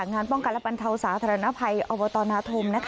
งานป้องกับปัญชาสาธารณภัยอวตนธรรม